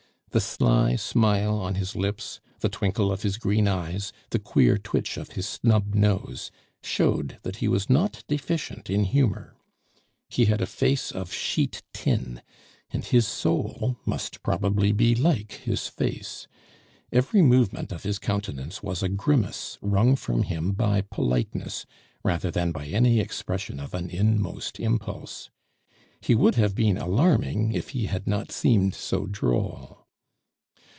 The sly smile on his lips, the twinkle of his green eyes, the queer twitch of his snub nose, showed that he was not deficient in humor. He had a face of sheet tin, and his soul must probably be like his face. Every movement of his countenance was a grimace wrung from him by politeness rather than by any expression of an inmost impulse. He would have been alarming if he had not seemed so droll.